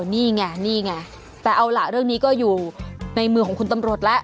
นี่ไงนี่ไงแต่เอาล่ะเรื่องนี้ก็อยู่ในมือของคุณตำรวจแล้ว